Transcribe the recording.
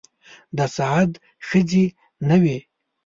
د سعد ښځې نه وې.